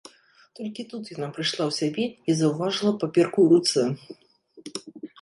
Толькі тут яна прыйшла ў сябе і заўважыла паперку ў руцэ.